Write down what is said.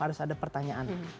harus ada pertanyaan